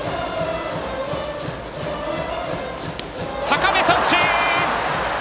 高め三振！